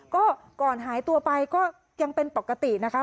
ก็ก่อนหายตัวไปก็ยังเป็นปกตินะคะ